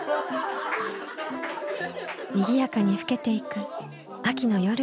にぎやかに更けていく秋の夜です。